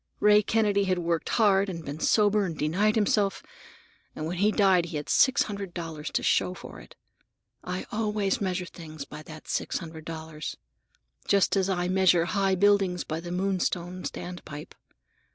Ray Kennedy had worked hard and been sober and denied himself, and when he died he had six hundred dollars to show for it. I always measure things by that six hundred dollars, just as I measure high buildings by the Moonstone standpipe.